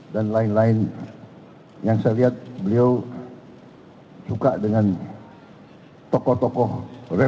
dan lain lain yang saya lihat beliau suka dengan tokoh tokoh revolusioner